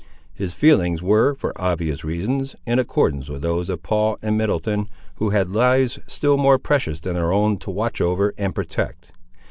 His feelings were, for obvious reasons, in accordance with those of Paul and Middleton, who had lives still more precious than their own to watch over and protect.